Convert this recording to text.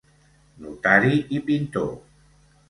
Notari i pintor.